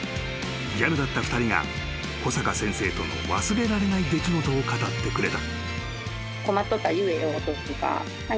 ギャルだった２人が小坂先生との忘れられない出来事を語ってくれた］